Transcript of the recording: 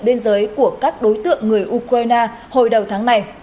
biên giới của các đối tượng người ukraine hồi đầu tháng này